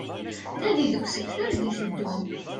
Nadi deg usebter d-iteddun